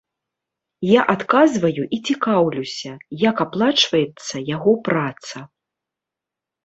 Я адказваю і цікаўлюся, як аплачваецца яго праца.